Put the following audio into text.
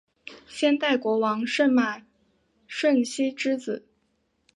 先代国王舜马顺熙之子。